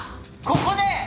ここで！